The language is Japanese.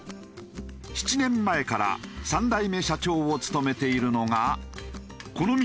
７年前から３代目社長を務めているのがこの道